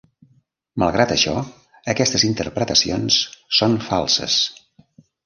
Malgrat això, aquestes interpretacions són falses.